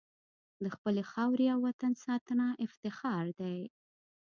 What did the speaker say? د خپلې خاورې او وطن ساتنه افتخار دی.